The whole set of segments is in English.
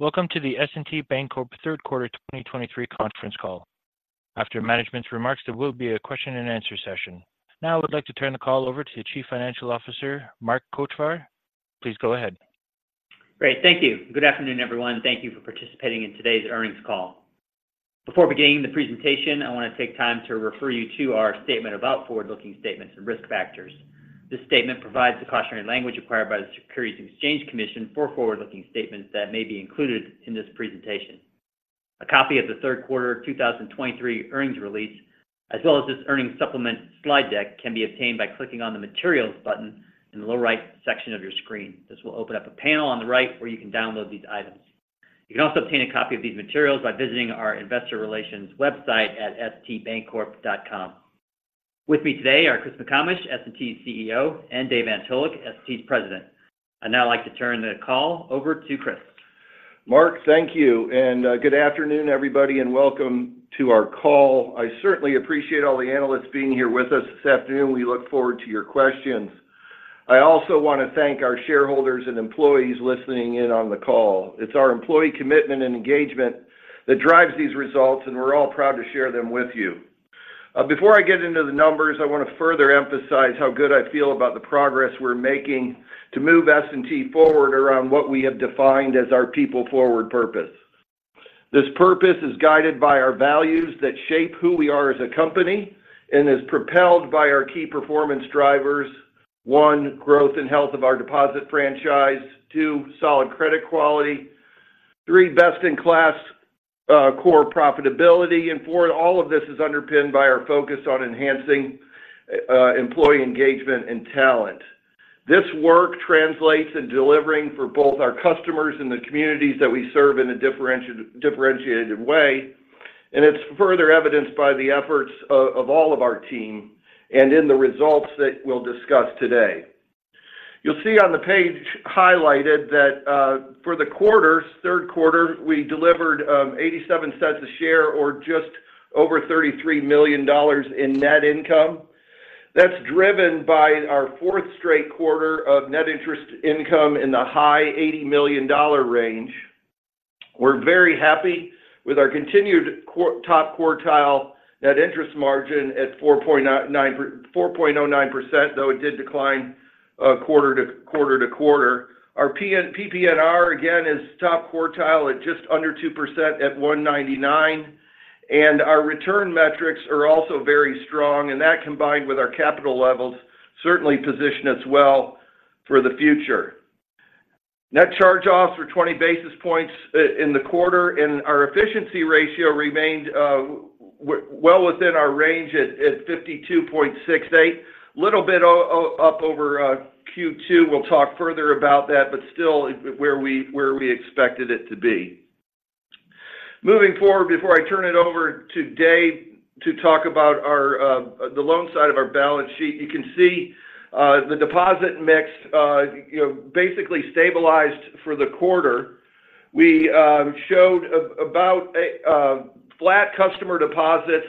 Welcome to the S&T Bancorp third quarter 2023 conference call. After management's remarks, there will be a question and answer session. Now, I would like to turn the call over to Chief Financial Officer, Mark Kochvar. Please go ahead. Great, thank you. Good afternoon, everyone. Thank you for participating in today's earnings call. Before beginning the presentation, I want to take time to refer you to our statement about forward-looking statements and risk factors. This statement provides the cautionary language required by the Securities and Exchange Commission for forward-looking statements that may be included in this presentation. A copy of the third quarter 2023 earnings release, as well as this earnings supplement slide deck, can be obtained by clicking on the Materials button in the lower right section of your screen. This will open up a panel on the right where you can download these items. You can also obtain a copy of these materials by visiting our Investor Relations website at stbancorp.com. With me today are Chris McComish, S&T's CEO, and Dave Antolik, S&T's President. I'd now like to turn the call over to Chris. Mark, thank you, and good afternoon, everybody, and welcome to our call. I certainly appreciate all the analysts being here with us this afternoon. We look forward to your questions. I also want to thank our shareholders and employees listening in on the call. It's our employee commitment and engagement that drives these results, and we're all proud to share them with you. Before I get into the numbers, I want to further emphasize how good I feel about the progress we're making to move S&T forward around what we have defined as our people-forward purpose. This purpose is guided by our values that shape who we are as a company and is propelled by our key performance drivers: one, growth and health of our deposit franchise, two, solid credit quality, three, best-in-class core profitability, and four, all of this is underpinned by our focus on enhancing employee engagement and talent. This work translates in delivering for both our customers and the communities that we serve in a differentiated way, and it's further evidenced by the efforts of all of our team and in the results that we'll discuss today. You'll see on the page highlighted that for the quarter, third quarter, we delivered $0.87 a share, or just over $33 million in net income. That's driven by our fourth straight quarter of net interest income in the high $80 million range. We're very happy with our continued top quartile net interest margin at 4.09%, though it did decline quarter-to-quarter. Our PPNR again, is top quartile at just under 2% at 1.99, and our return metrics are also very strong, and that, combined with our capital levels, certainly position us well for the future. Net charge-offs were 20 basis points in the quarter, and our efficiency ratio remained well within our range at 52.68. Little bit up over Q2. We'll talk further about that, but still where we expected it to be. Moving forward, before I turn it over to Dave to talk about the loan side of our balance sheet, you can see the deposit mix, you know, basically stabilized for the quarter. We showed about flat customer deposits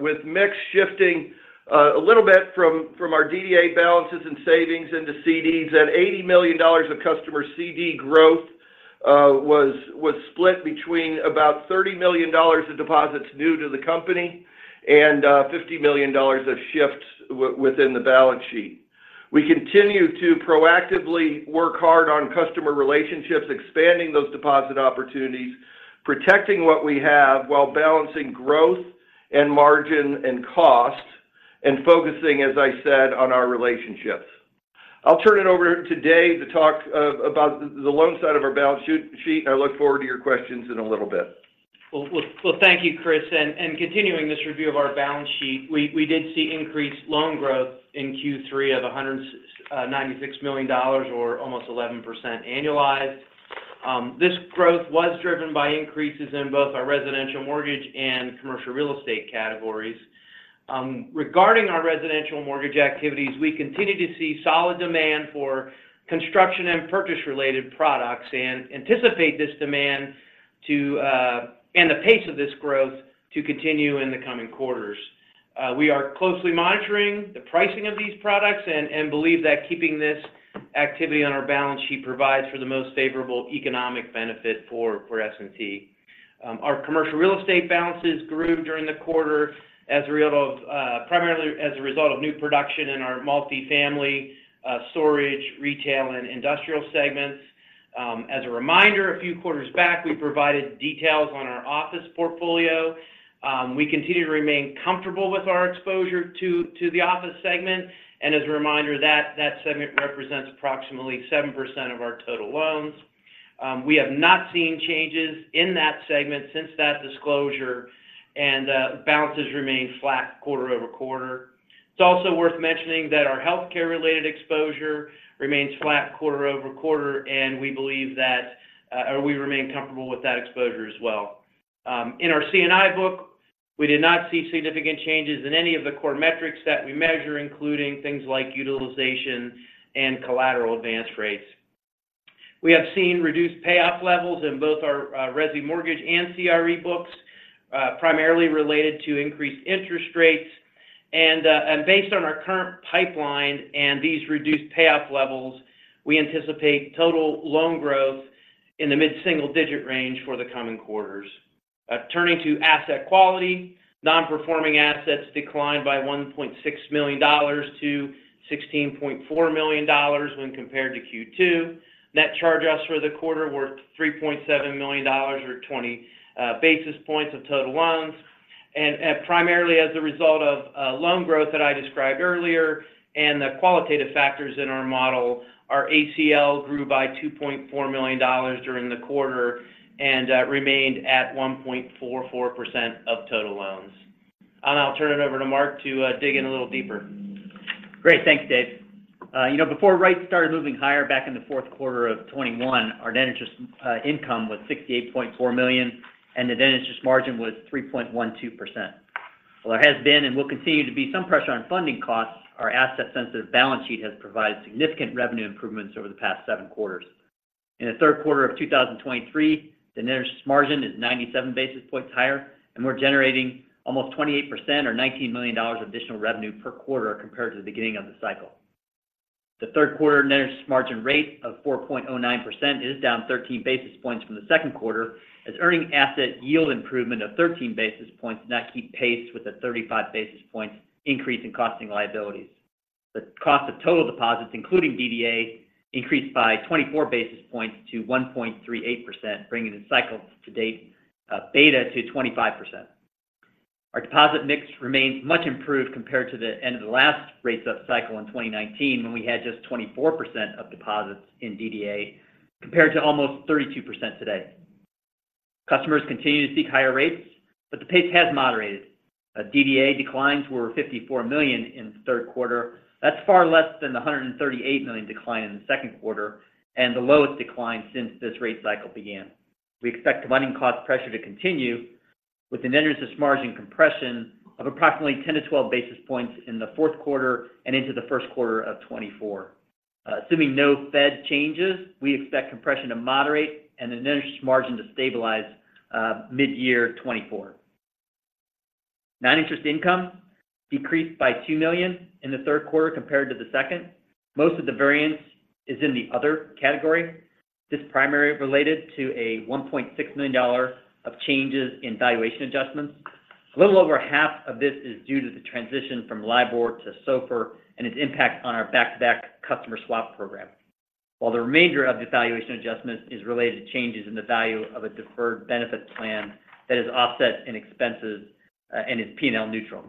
with mix shifting a little bit from our DDA balances and savings into CDs. That $80 million of customer CD growth was split between about $30 million of deposits new to the company and $50 million of shifts within the balance sheet. We continue to proactively work hard on customer relationships, expanding those deposit opportunities, protecting what we have while balancing growth and margin and cost, and focusing, as I said, on our relationships. I'll turn it over to Dave to talk about the loan side of our balance sheet, and I look forward to your questions in a little bit. Well, well, well, thank you, Chris. Continuing this review of our balance sheet, we did see increased loan growth in Q3 of $196 million or almost 11% annualized. This growth was driven by increases in both our residential mortgage and commercial real estate categories. Regarding our residential mortgage activities, we continue to see solid demand for construction and purchase-related products and anticipate the pace of this growth to continue in the coming quarters. We are closely monitoring the pricing of these products and believe that keeping this activity on our balance sheet provides for the most favorable economic benefit for S&T. Our commercial real estate balances grew during the quarter primarily as a result of new production in our multifamily, storage, retail, and industrial segments. As a reminder, a few quarters back, we provided details on our office portfolio. We continue to remain comfortable with our exposure to the office segment, and as a reminder, that segment represents approximately 7% of our total loans. We have not seen changes in that segment since that disclosure, and balances remain flat quarter-over-quarter. It's also worth mentioning that our healthcare-related exposure remains flat quarter-over-quarter, and we remain comfortable with that exposure as well. In our C&I book, we did not see significant changes in any of the core metrics that we measure, including things like utilization and collateral advance rates. We have seen reduced payoff levels in both our resi mortgage and CRE books, primarily related to increased interest rates. Based on our current pipeline and these reduced payoff levels, we anticipate total loan growth in the mid-single-digit range for the coming quarters. Turning to asset quality, non-performing assets declined by $1.6 million to $16.4 million when compared to Q2. Net charge-offs for the quarter were $3.7 million, or 20 basis points of total loans. Primarily as a result of loan growth that I described earlier and the qualitative factors in our model, our ACL grew by $2.4 million during the quarter and remained at 1.44% of total loans. I'll turn it over to Mark to dig in a little deeper. Great. Thanks, Dave. You know, before rates started moving higher back in the fourth quarter of 2021, our net interest income was $68.4 million, and the net interest margin was 3.12%. While there has been and will continue to be some pressure on funding costs, our asset-sensitive balance sheet has provided significant revenue improvements over the past seven quarters. In the third quarter of 2023, the net interest margin is 97 basis points higher, and we're generating almost 28% or $19 million of additional revenue per quarter compared to the beginning of the cycle. The third quarter net interest margin rate of 4.09% is down 13 basis points from the second quarter, as earning asset yield improvement of 13 basis points did not keep pace with a 35 basis points increase in costing liabilities. The cost of total deposits, including DDA, increased by 24 basis points to 1.38%, bringing the cycle-to-date beta to 25%. Our deposit mix remains much improved compared to the end of the last rates up cycle in 2019, when we had just 24% of deposits in DDA, compared to almost 32% today. Customers continue to seek higher rates, but the pace has moderated. DDA declines were $54 million in the third quarter. That's far less than the $138 million decline in the second quarter and the lowest decline since this rate cycle began. We expect funding cost pressure to continue with the net interest margin compression of approximately 10 basis points-12 basis points in the fourth quarter and into the first quarter of 2024. Assuming no Fed changes, we expect compression to moderate and the net interest margin to stabilize mid-year 2024. Non-interest income decreased by $2 million in the third quarter compared to the second. Most of the variance is in the other category. This is primarily related to a $1.6 million of changes in valuation adjustments. A little over half of this is due to the transition from LIBOR to SOFR and its impact on our back-to-back customer swap program. While the remainder of the valuation adjustment is related to changes in the value of a deferred benefit plan that is offset in expenses and is P&L neutral.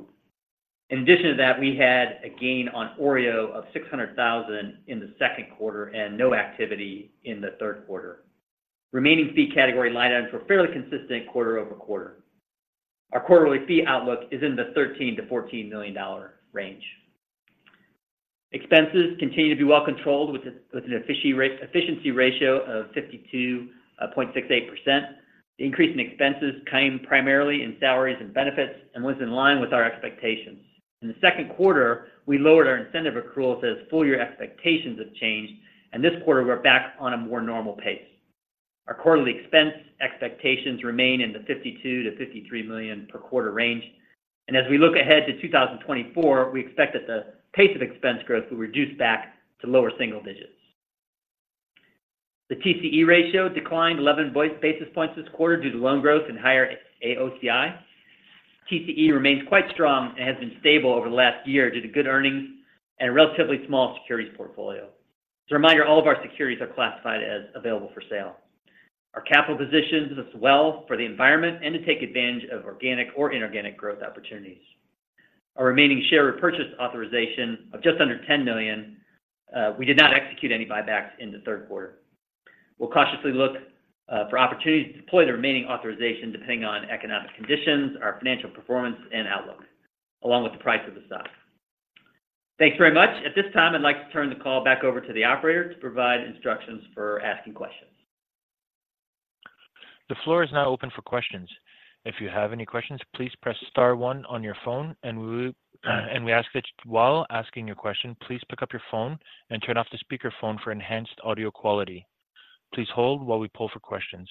In addition to that, we had a gain on OREO of $600,000 in the second quarter and no activity in the third quarter. Remaining fee category line items were fairly consistent quarter-over-quarter. Our quarterly fee outlook is in the $13 million-$14 million range. Expenses continue to be well controlled, with an efficiency ratio of 52.68%. The increase in expenses came primarily in salaries and benefits and was in line with our expectations. In the second quarter, we lowered our incentive accruals as full-year expectations have changed, and this quarter, we're back on a more normal pace. Our quarterly expense expectations remain in the $52 million-$53 million per quarter range. As we look ahead to 2024, we expect that the pace of expense growth will reduce back to lower single digits. The TCE ratio declined 11 basis points this quarter due to loan growth and higher AOCI. TCE remains quite strong and has been stable over the last year due to good earnings and a relatively small securities portfolio. As a reminder, all of our securities are classified as available for sale. Our capital positions us well for the environment and to take advantage of organic or inorganic growth opportunities. Our remaining share repurchase authorization of just under $10 million, we did not execute any buybacks in the third quarter. We'll cautiously look for opportunities to deploy the remaining authorization, depending on economic conditions, our financial performance and outlook, along with the price of the stock. Thanks very much. At this time, I'd like to turn the call back over to the operator to provide instructions for asking questions. The floor is now open for questions. If you have any questions, please press star one on your phone, and we ask that while asking your question, please pick up your phone and turn off the speakerphone for enhanced audio quality. Please hold while we poll for questions.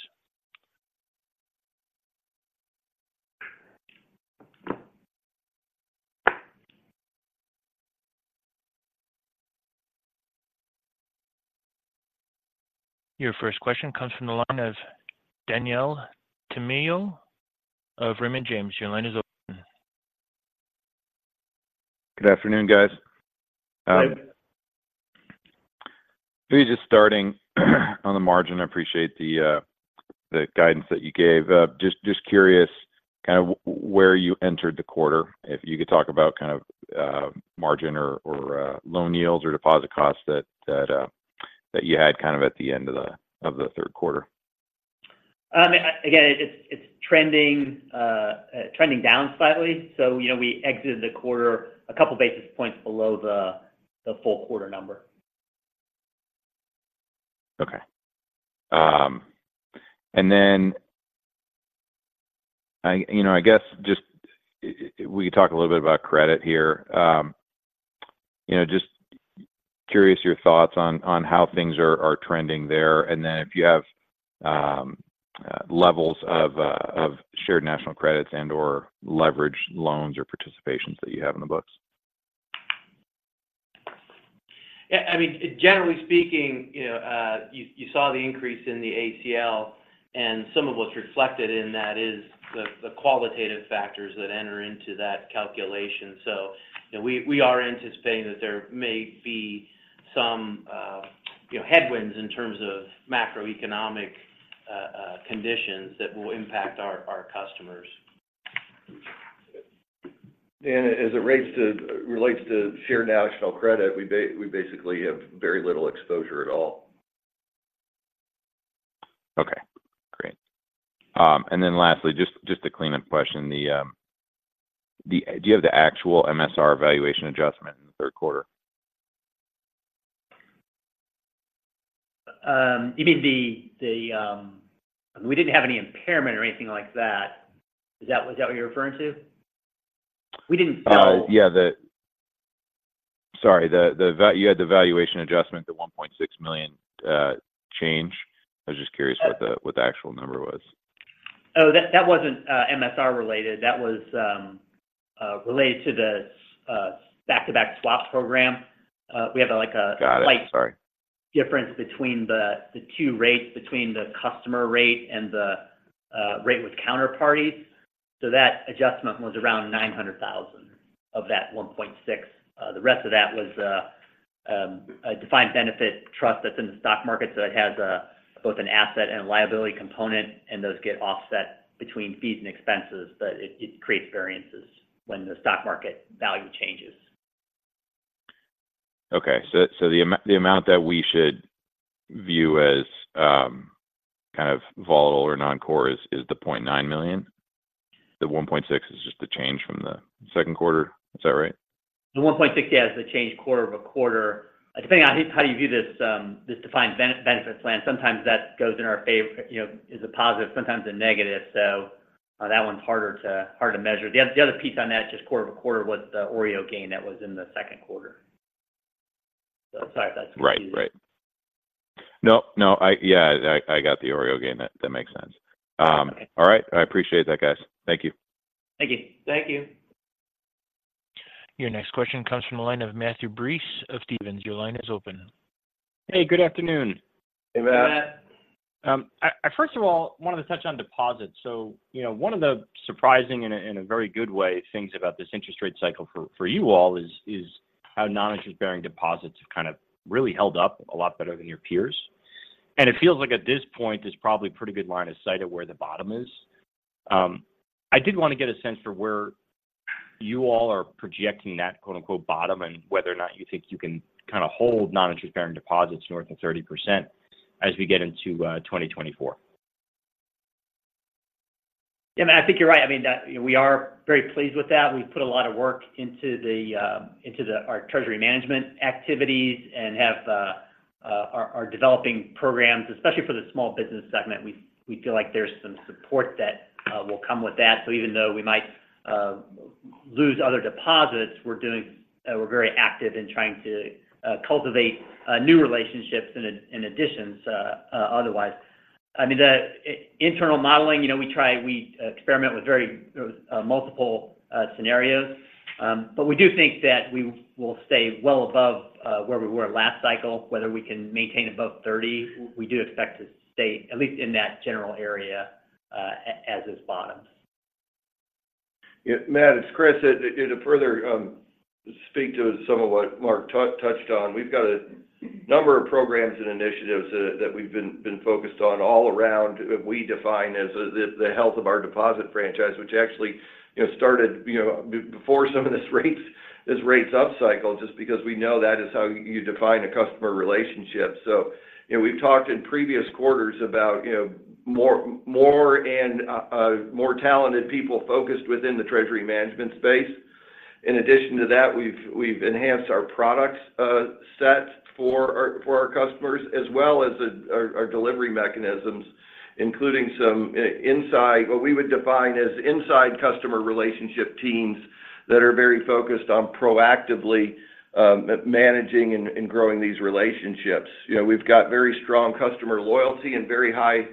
Your first question comes from the line of Daniel Tamayo of Raymond James. Your line is open. Good afternoon, guys. Hi. Maybe just starting on the margin, I appreciate the guidance that you gave. Just curious, kind of where you entered the quarter, if you could talk about kind of margin or loan yields or deposit costs that you had kind of at the end of the third quarter? Again, it's trending down slightly. You know, we exited the quarter a couple basis points below the full quarter number. Okay. I, you know, I guess just if we could talk a little bit about credit here, you know, just curious your thoughts on how things are trending there, and then if you have levels of shared national credits and/or leverage loans or participations that you have on the books? Yeah, I mean, generally speaking, you know, you saw the increase in the ACL, and some of what's reflected in that is the qualitative factors that enter into that calculation. You know, we are anticipating that there may be some, you know, headwinds in terms of macroeconomic conditions that will impact our customers. No. As it relates to shared national credit, we basically have very little exposure at all. Okay, great. Lastly, just a cleanup question, do you have the actual MSR valuation adjustment in the third quarter? You mean the- We didn't have any impairment or anything like that. Is that, was that what you're referring to? We didn't sell- Yeah, sorry, you had the valuation adjustment, the $1.6 million change. I was just curious what the actual number was. Oh, that wasn't MSR-related. That was related to the back-to-back swap program. We have, like, a. Got it. Sorry. Slight difference between the two rates, between the customer rate and the rate with counterparties. That adjustment was around $900 thousand of that $1.6. The rest of that was a defined benefit trust that's in the stock market, so it has both an asset and a liability component, and those get offset between fees and expenses, but it creates variances when the stock market value changes. Okay. The amount that we should view as kind of volatile or non-core is the $0.9$ million. The $1.6$ is just the change from the second quarter. Is that right? The 1.6, yeah, is the change quarter-over-quarter. Depending on how you view this defined benefit plan, sometimes that goes in our favor, you know, is a positive, sometimes a negative. That one's harder to measure. The other piece on that, just quarter-over-quarter, was the OREO gain that was in the second quarter. Sorry if that's confusing. Right. Right. No, no. Yeah, I got the OREO gain. That makes sense. Okay. All right. I appreciate that, guys. Thank you. Thank you. Thank you. Your next question comes from the line of Matthew Breese of Stephens. Your line is open. Hey, good afternoon. Hey, Matt. Hey, Matt. I first of all wanted to touch on deposits. You know, one of the surprising, in a very good way, things about this interest rate cycle for you all is how non-interest bearing deposits have kind of really held up a lot better than your peers. It feels like at this point, there's probably a pretty good line of sight of where the bottom is. I did want to get a sense for where you all are projecting that, quote, unquote, bottom, and whether or not you think you can kind of hold non-interest bearing deposits north of 30% as we get into 2024. I think you're right. I mean, we are very pleased with that. We've put a lot of work into our treasury management activities and have our developing programs, especially for the small business segment, we feel like there's some support that'll come with that even though we might lose other deposits, we're very active in trying to cultivate new relationships, in addition to. Internal modeling we experiment with very -- multiple scenarios. But we do think that we will stay well above where we were last cycle, whether we can maintain above 30%. We do expect to stay at least in that general area as is bottom. Yeah, Matt, it's Chris. To further speak to some of what Mark touched on, we've got a number of programs and initiatives that we've been focused on all around what we define as the health of our deposit franchise, which actually, you know, started, you know, before some of this rates upcycle, just because we know that is how you define a customer relationship. You know, we've talked in previous quarters about, you know, more and more talented people focused within the treasury management space. In addition to that, we've enhanced our product set for our customers, as well as our delivery mechanisms, including some what we would define as inside customer relationship teams that are very focused on proactively managing and growing these relationships. You know, we've got very strong customer loyalty and very high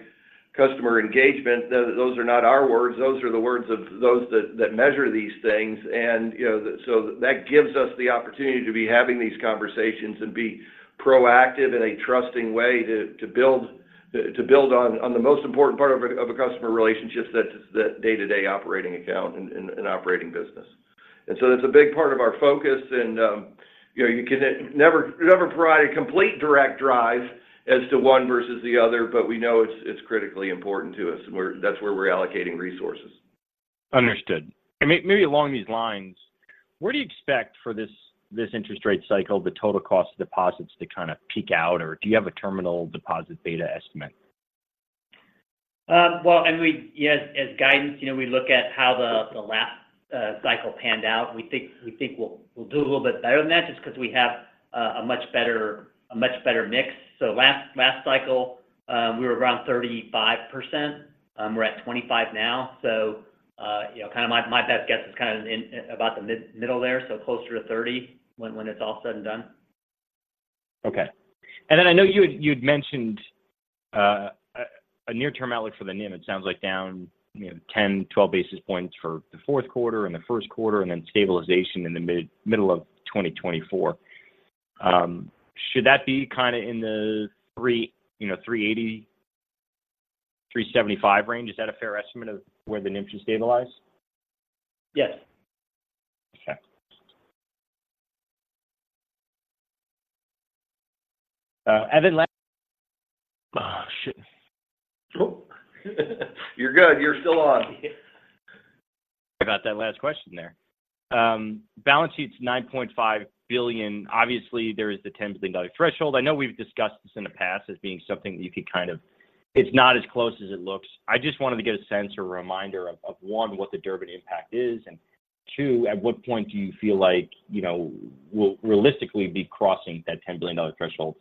customer engagement. Those are not our words, those are the words of those that measure these things. You know, so that gives us the opportunity to be having these conversations and be proactive in a trusting way to build on the most important part of a customer relationship, that's the day-to-day operating account and operating business. So that's a big part of our focus. You know, you can never, never provide a complete direct drive as to one versus the other, but we know it's critically important to us, and that's where we're allocating resources. Understood. Maybe along these lines, where do you expect for this interest rate cycle, the total cost of deposits to kind of peak out? Do you have a terminal deposit beta estimate? Well, I mean, yes, as guidance, you know, we look at how the last cycle panned out. We think we'll do a little bit better than that, just because we have a much better mix. Last cycle, we were around 35%. We're at 25% now, but, you know, kind of my best guess is kind of in, about the middle there, so closer to 30 when it's all said and done. Okay. I know you'd mentioned a near-term outlook for the NIM. It sounds like down, you know, 10-12 basis points for the fourth quarter and the first quarter, and then stabilization in the middle of 2024. Should that be kind of in the, you know, 3.80-3.75 range? Is that a fair estimate of where the NIM should stabilize? Yes. Okay. Last. Oh. Oh, you're good. You're still on. About that last question there. Balance sheet's $9.5 billion. Obviously, there is the 10-billion-dollar threshold. I know we've discussed this in the past as being something that you could kind of... It's not as close as it looks. I just wanted to get a sense or a reminder of one, what the Durbin impact is, and two, at what point do you feel like, you know, we'll realistically be crossing that 10-billion-dollar threshold?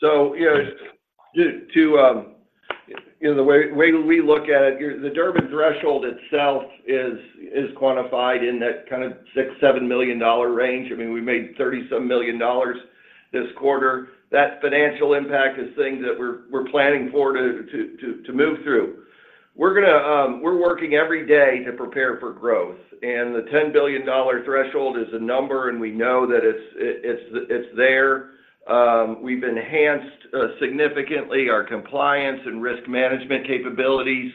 You know, the way we look at it, the Durbin threshold itself is quantified in that kind of $6 million-$7 million range. I mean, we made $37 million this quarter. That financial impact is things that we're planning for to move through. We're working every day to prepare for growth, and the $10 billion threshold is a number, and we know that it's there. We've enhanced significantly our compliance and risk management capabilities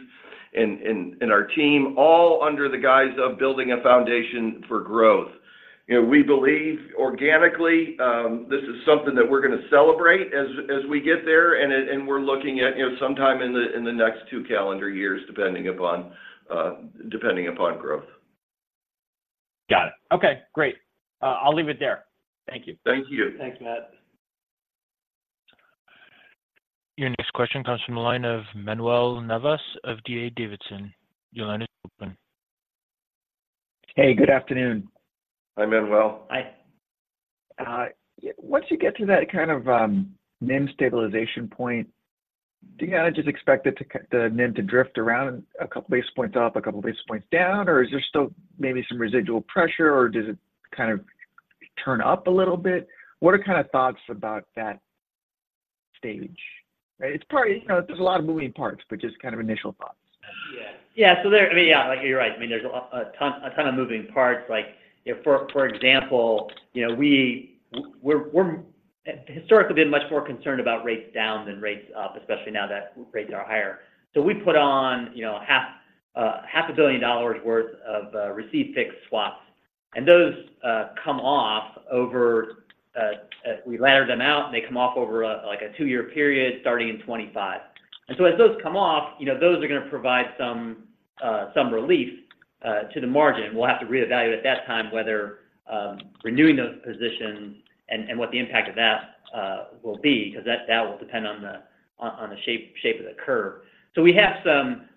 and our team, all under the guise of building a foundation for growth. You know, we believe organically, this is something that we're gonna celebrate as we get there, and we're looking at, you know, sometime in the next two calendar years, depending upon growth. Got it. Okay, great. I'll leave it there. Thank you. Thank you. Thanks, Matt. Your next question comes from the line of Manuel Navas of D.A. Davidson. Your line is open. Hey, good afternoon. Hi, Manuel. Hi. Once you get to that kind of NIM stabilization point, do you kind of just expect the NIM to drift around a couple basis points up, a couple basis points down, or is there still maybe some residual pressure, or does it kind of turn up a little bit? What are kind of thoughts about that stage? It's probably, you know, there's a lot of moving parts, but just kind of initial thoughts. Yeah. Yeah, there... I mean, yeah, you're right. I mean, there's a ton, a ton of moving parts. Like, you know, for example, you know, we're historically been much more concerned about rates down than rates up, especially now that rates are higher. We put on, you know, $500 million worth of receive-fixed swaps, and those come off over, we ladder them out, and they come off over a, like a two-year period, starting in 2025. As those come off, you know, those are gonna provide some relief to the margin. We'll have to reevaluate at that time whether renewing those positions and what the impact of that will be, because that will depend on the shape of the curve. We have some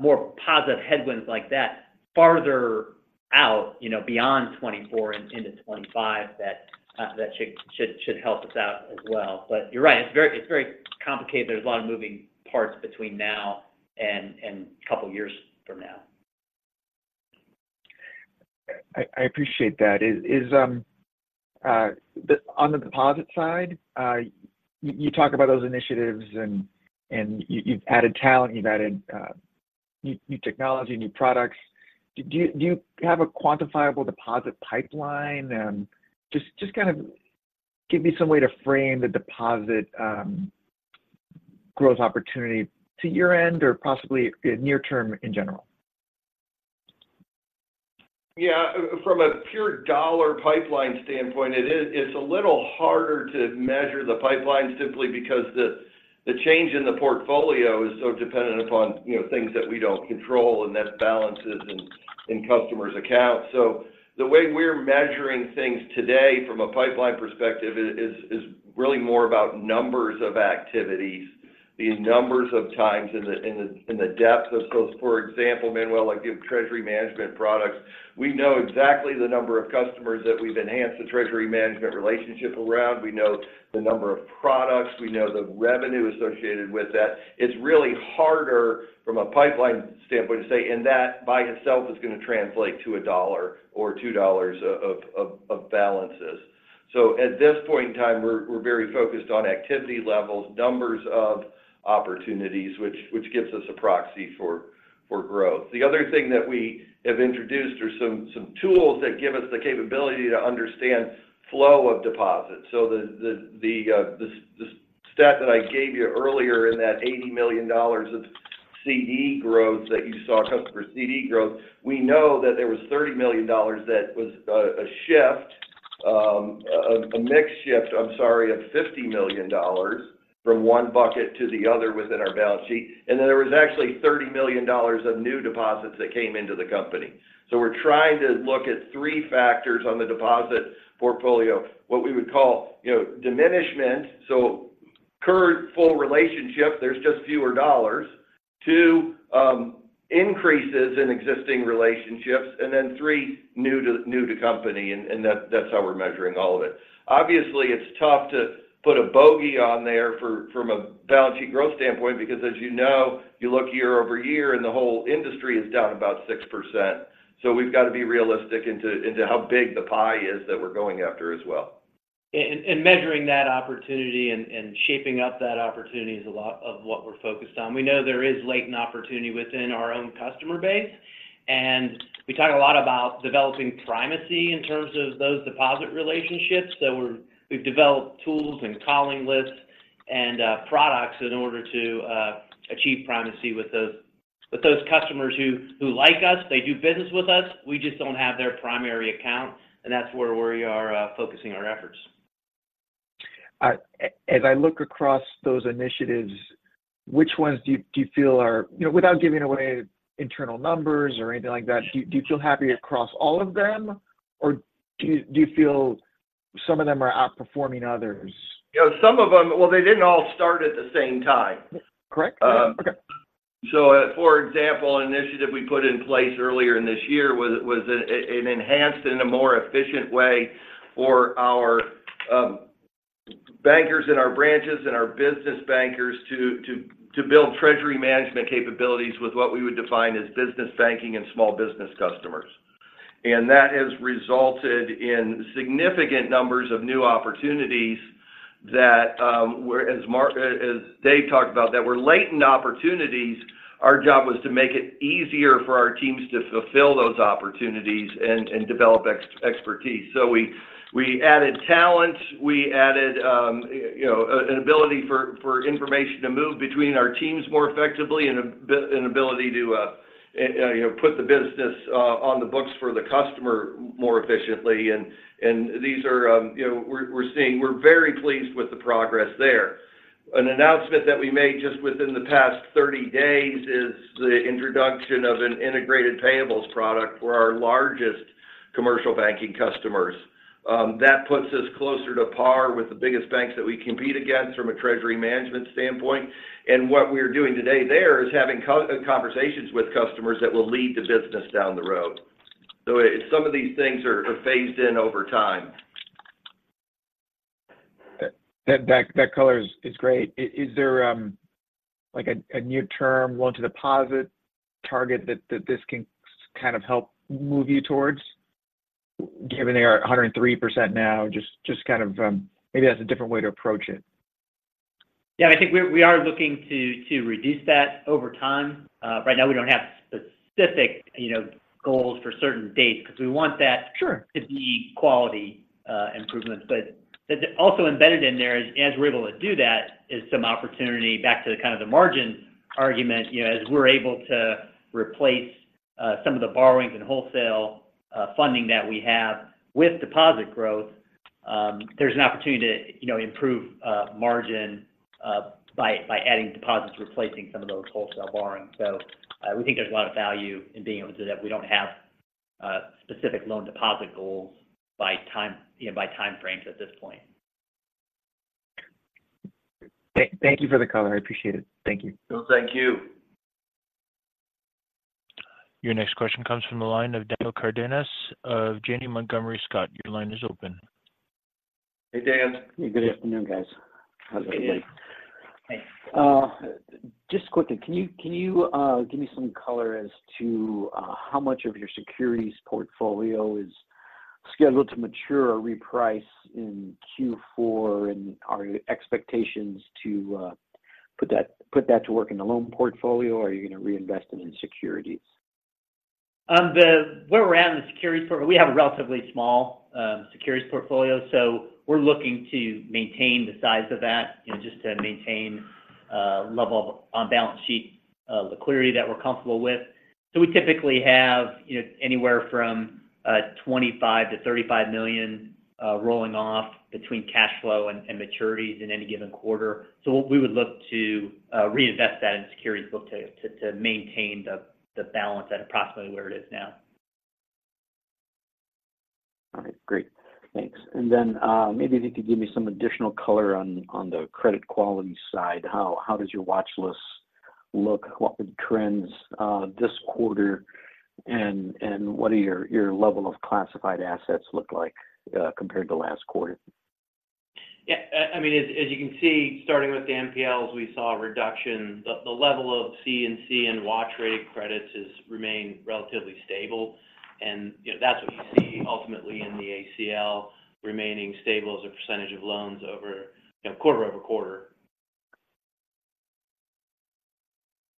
more positive headwinds like that farther out, you know, beyond 2024 and into 2025 that should help us out as well. You're right, it's very complicated. There's a lot of moving parts between now and a couple of years from now. I appreciate that. On the deposit side, you talk about those initiatives and you've added talent, you've added new technology, new products. Do you have a quantifiable deposit pipeline? Just kind of give me some way to frame the deposit growth opportunity to year-end or possibly near term in general. Yeah. From a pure dollar pipeline standpoint, it's a little harder to measure the pipeline simply because the change in the portfolio is so dependent upon, you know, things that we don't control and net balances in customers' accounts. The way we're measuring things today from a pipeline perspective is really more about numbers of activities, the numbers of times and the depth of those. For example, Manuel, like your treasury management products, we know exactly the number of customers that we've enhanced the treasury management relationship around. We know the number of products, we know the revenue associated with that. It's really harder from a pipeline standpoint to say, and that by itself is going to translate to $1 or $2 of balances. At this point in time, we're very focused on activity levels, numbers of opportunities, which gives us a proxy for growth. The other thing that we have introduced are some tools that give us the capability to understand flow of deposits. The stat that I gave you earlier in that $80 million of C.D. growth that you saw, customer C.D. growth, we know that there was $30 million that was a shift, a mix shift, I'm sorry, of $50 million from one bucket to the other within our balance sheet. Then there was actually $30 million of new deposits that came into the company. We're trying to look at three factors on the deposit portfolio, what we would call, you know, diminishment. Current full relationship, there's just fewer dollars. Two, increases in existing relationships, and then three, new to company, and that's how we're measuring all of it. Obviously, it's tough to put a bogey on there from a balance sheet growth standpoint, because as you know, you look year-over-year, and the whole industry is down about 6%. We've got to be realistic into how big the pie is that we're going after as well. Measuring that opportunity and shaping up that opportunity is a lot of what we're focused on. We know there is latent opportunity within our own customer base, and we talk a lot about developing primacy in terms of those deposit relationships. We've developed tools and calling lists and products in order to achieve primacy with those customers who like us, they do business with us. We just don't have their primary account, and that's where we are focusing our efforts. As I look across those initiatives, which ones do you feel are -- without giving away internal numbers or anything like that, do you feel happy across all of them, or do you feel some of them are outperforming others? You know, some of them, well, they didn't all start at the same time. Yep. Correct. Um- Okay. For example, an initiative we put in place earlier in this year was an enhanced and a more efficient way for our bankers in our branches and our business bankers to build treasury management capabilities with what we would define as business banking and small business customers. That has resulted in significant numbers of new opportunities that, where as Dave talked about, that were latent opportunities. Our job was to make it easier for our teams to fulfill those opportunities and develop expertise. We added talent, we added, you know, an ability for information to move between our teams more effectively, and ability to, you know, put the business on the books for the customer more efficiently. These are, you know, we're very pleased with the progress there. An announcement that we made just within the past 30 days is the introduction of an integrated payables product for our largest commercial banking customers. That puts us closer to par with the biggest banks that we compete against from a treasury management standpoint. What we are doing today there is having conversations with customers that will lead to business down the road. Some of these things are phased in over time. That color is great. Is there like a new term loan-to-deposit target that this can kind of help move you towards? Given they are 103% now, just kind of maybe that's a different way to approach it. Yeah, I think we are looking to reduce that over time. Right now, we don't have specific, you know, goals for certain dates because we want that- Sure To be quality improvements. Also embedded in there, as we're able to do that, is some opportunity back to the kind of the margin argument. You know, as we're able to replace some of the borrowings and wholesale funding that we have with deposit growth, there's an opportunity to, you know, improve margin by adding deposits, replacing some of those wholesale borrowings. We think there's a lot of value in being able to do that. We don't have specific loan deposit goals by time, you know, by time frames at this point. Thank you for the color. I appreciate it. Thank you. Well, thank you. Your next question comes from the line of Daniel Cardenas of Janney Montgomery Scott. Your line is open. Hey, Dan. Hey, good afternoon, guys. How's it going? Hey. Hey. Just quickly, can you give me some color as to how much of your securities portfolio is scheduled to mature or reprice in Q4? Are your expectations to put that to work in the loan portfolio, or are you going to reinvest it in securities? We have a relatively small securities portfolio, so we're looking to maintain the size of that, you know, just to maintain a level of on-balance sheet liquidity that we're comfortable with. We typically have, you know, anywhere from $25 million-$35 million rolling off between cash flow and maturities in any given quarter. We would look to reinvest that in securities book to maintain the balance at approximately where it is now. All right, great. Thanks. Maybe if you could give me some additional color on the credit quality side. How does your watchlist look? What were the trends this quarter, and what are your level of classified assets look like compared to last quarter? Yeah, I mean, as you can see, starting with the NPLs, we saw a reduction. The level of C&C and watch rate credits has remained relatively stable, and, you know, that's what you see ultimately in the ACL remaining stable as a percentage of loans over, you know, quarter-over-quarter.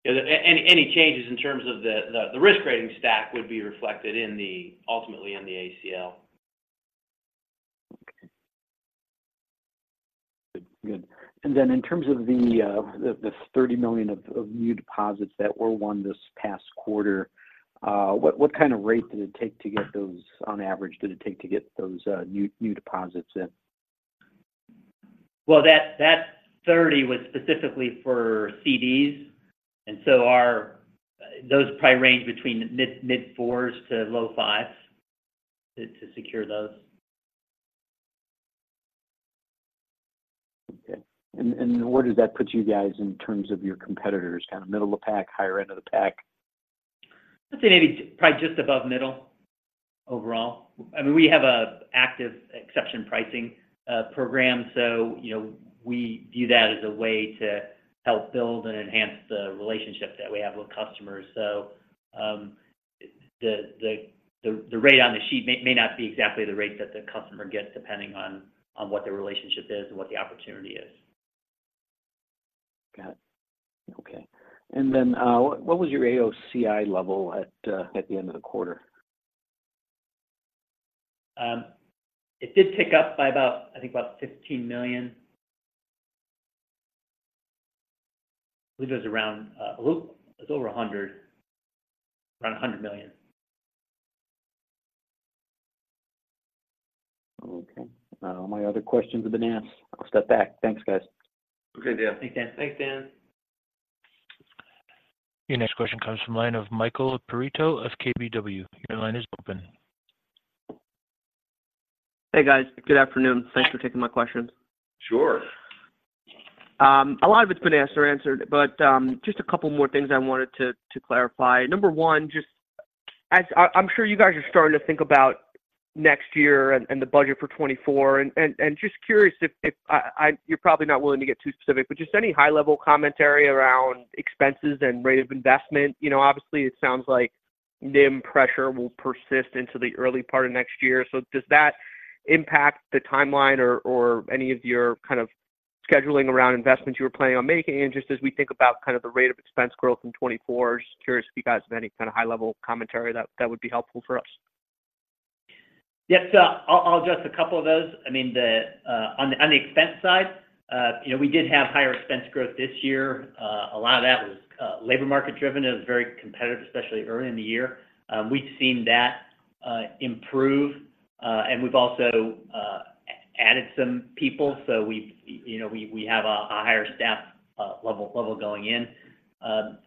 Yeah, any changes in terms of the risk rating stack would be reflected ultimately in the ACL. Okay. Good. Good. In terms of the $30 million of new deposits that were won this past quarter, what kind of rate did it take to get those, on average, did it take to get those new deposits in? Well, that 30 was specifically for CDs, and those probably range between mid 4s to low 5s to secure those. Okay. Where does that put you guys in terms of your competitors? Kind of middle of the pack, higher end of the pack? I'd say maybe probably just above middle overall. I mean, we have a active exception pricing program, so, you know, we view that as a way to help build and enhance the relationships that we have with customers. The rate on the sheet may not be exactly the rate that the customer gets, depending on what the relationship is and what the opportunity is. Got it. Okay. What was your AOCI level at the end of the quarter? It did tick up by about, I think, about $15 million. I believe it was around, it was over 100, around $100 million. Okay. All my other questions have been asked. I'll step back. Thanks, guys. Okay, Dan. Thanks, Dan. Thanks, Dan. Your next question comes from line of Michael Perito of KBW. Your line is open. Hey, guys. Good afternoon. Thanks for taking my questions. Sure. A lot of it's been asked or answered, but just a couple more things I wanted to clarify. Number one, I'm sure you guys are starting to think about next year and the budget for 2024, and just curious if... You're probably not willing to get too specific, but just any high-level commentary around expenses and rate of investment? You know, obviously, it sounds like NIM pressure will persist into the early part of next year. Does that impact the timeline or any of your kind of scheduling around investments you were planning on making? Just as we think about kind of the rate of expense growth in 2024, just curious if you guys have any kind of high-level commentary that would be helpful for us? Yes. I'll address a couple of those. I mean, on the expense side, you know, we did have higher expense growth this year. A lot of that was labor market driven. It was very competitive, especially early in the year. We've seen that improve, and we've also added some people, so we, you know, we have a higher staff level going in.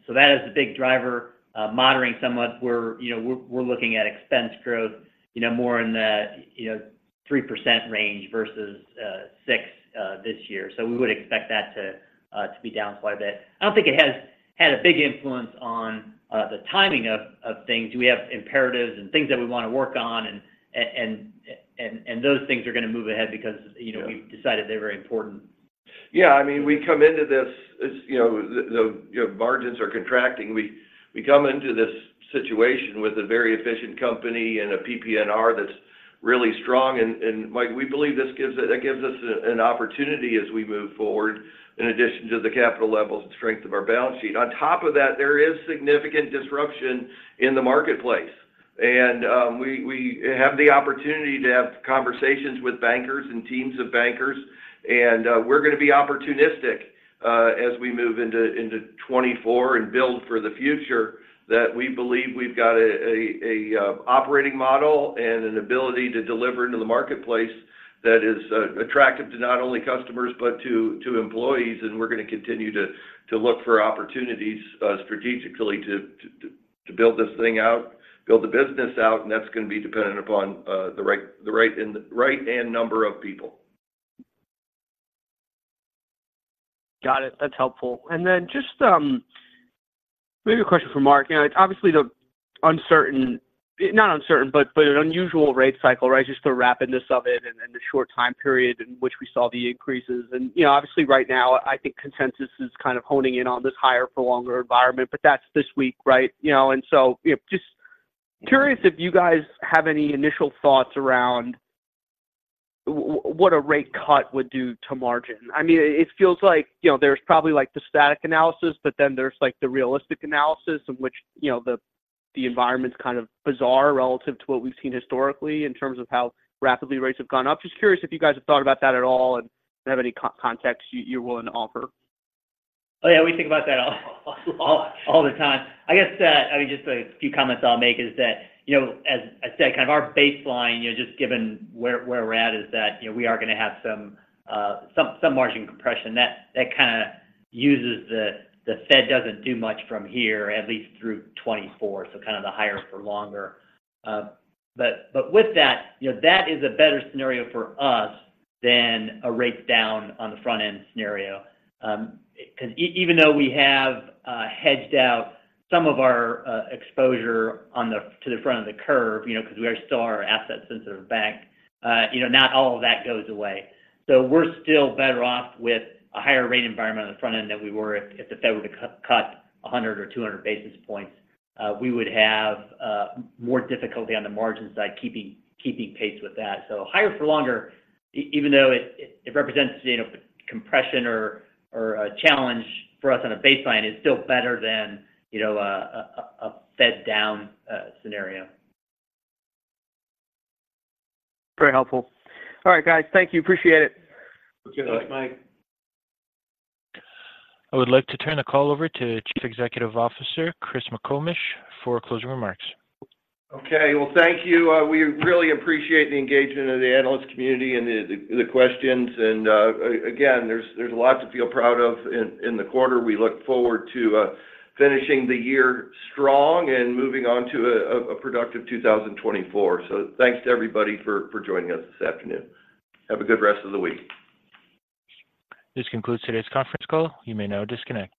That is a big driver. Moderating somewhat, we're, you know, we're looking at expense growth, you know, more in the, you know, 3% range versus 6% this year. We would expect that to be down quite a bit. I don't think it has had a big influence on the timing of things. We have imperatives and things that we want to work on, and those things are going to move ahead because, you know. Yeah We've decided they're very important. Yeah, I mean, we come into this, as you know, the, you know, margins are contracting. We come into this situation with a very efficient company and a PPNR that's really strong, and like, we believe this gives us an opportunity as we move forward, in addition to the capital levels and strength of our balance sheet. On top of that, there is significant disruption in the marketplace, and we have the opportunity to have conversations with bankers and teams of bankers, and we're going to be opportunistic as we move into 2024 and build for the future, that we believe we've got an operating model and an ability to deliver into the marketplace that is attractive to not only customers, but to employees. We're going to continue to look for opportunities strategically to build this thing out, build the business out, and that's going to be dependent upon the right number of people. Got it. That's helpful. Maybe a question for Mark. You know, obviously, the uncertain, not uncertain, but an unusual rate cycle, right? Just the rapidness of it and the short time period in which we saw the increases. You know, obviously, right now, I think consensus is kind of honing in on this higher for longer environment, but that's this week, right? You know, and so, you know, just curious if you guys have any initial thoughts around what a rate cut would do to margin? I mean, it feels like, you know, there's probably, like, the static analysis, but then there's, like, the realistic analysis in which, you know, the environment's kind of bizarre relative to what we've seen historically in terms of how rapidly rates have gone up. Just curious if you guys have thought about that at all and have any context you're willing to offer. Yes. We think about that all the time. I guess, I mean just a few comments I’ll make is that, as I said, kind of our baseline, just given where we’re at is that we are going to have some margin compression. That kind of uses the Fed doesn’t do much from here, at least through 2024, so kind of the higher for longer. But with that, that is a better scenario for us than a rate down on the front-end scenario. Even though we have hedged out some of our exposure to the front of the curve because we are still our asset-sensitive bank, not all of that goes away. We're still better off with a higher rate environment on the front end than we were if the Fed were to cut 100 or 200 basis points. We would have more difficulty on the margin side, keeping pace with that. Higher for longer, even though it represents, you know, compression or a challenge for us on a baseline, is still better than, you know, a Fed down scenario. Very helpful. All right, guys. Thank you. Appreciate it. Okay. Thanks, Mike. I would like to turn the call over to Chief Executive Officer, Chris McComish, for closing remarks. Okay. Well, thank you. We really appreciate the engagement of the analyst community and the questions. Again, there's a lot to feel proud of in the quarter. We look forward to finishing the year strong and moving on to a productive 2024. Thanks to everybody for joining us this afternoon. Have a good rest of the week. This concludes today's conference call. You may now disconnect.